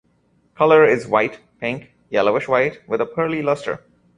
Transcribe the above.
Colour is white, pink, yellowish white with a pearly lustre.